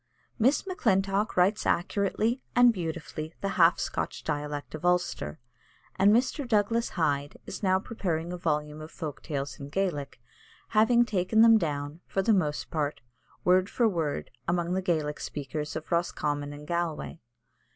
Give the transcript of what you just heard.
Miss Maclintock writes accurately and beautifully the half Scotch dialect of Ulster; and Mr. Douglas Hyde is now preparing a volume of folk tales in Gaelic, having taken them down, for the most part, word for word among the Gaelic speakers of Roscommon and Galway.